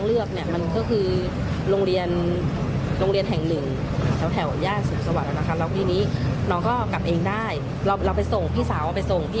และโรงเรียนที่เลือกแถวนี้